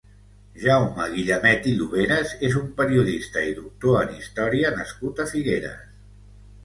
Jaume Guillamet i Lloveras és un periodista i doctor en història nascut a Figueres.